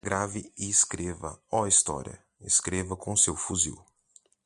Grave e escreva, ó história, escreva com seu fuzil